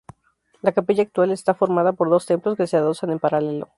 La capilla actual está formada por dos templos que se adosan en paralelo.